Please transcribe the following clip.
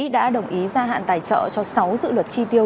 đã đồng ý gia hạn tài trợ cho sáu dự luật chi tiêu